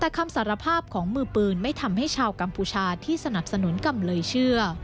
แต่คำสารภาพของมือปืนไม่ทำให้ชาวกัมพูชาที่สนับสนุนกำเลยเชื่อ